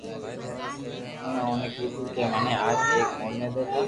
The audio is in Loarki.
اونڻي اوني ڪيدو ڪو مني آج ايڪ موٺي ايتا